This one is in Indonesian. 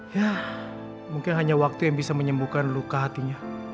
ya mungkin hanya waktu yang bisa menyembuhkan luka hatinya